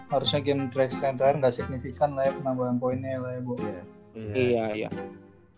harusnya game tx tiga gak signifikan lah ya penambahan poinnya lah ya bu